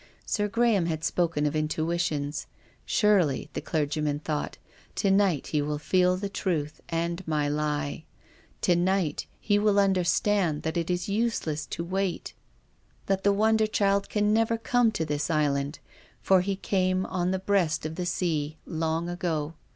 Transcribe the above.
Sir Graham had spoken of intuitions. Surely, the clergyman thought, to night he will feel the truth and my He. To night he will understand that it is useless to wait, that 72 TONGUES OF CONSCIENCE. the wonder child can never come to this island, for he came on the breast of the sea long ago.